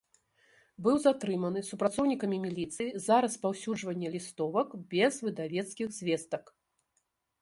Быў затрыманы супрацоўнікамі міліцыі за распаўсюджванне лістовак без выдавецкіх звестак.